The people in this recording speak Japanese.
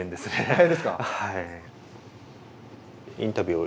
大変ですか。